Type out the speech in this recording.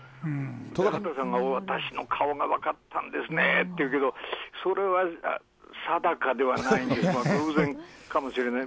畑さんが、私の顔が分かってたんですねっていうけど、それは定かではないんで、偶然かもしれない。